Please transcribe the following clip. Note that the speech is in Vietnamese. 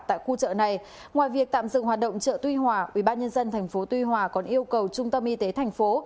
tại khu chợ này ngoài việc tạm dừng hoạt động chợ tuy hòa ubnd tp tuy hòa còn yêu cầu trung tâm y tế thành phố